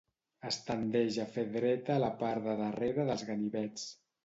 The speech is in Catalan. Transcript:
Es tendeix a fer dreta la part de darrere dels ganivets.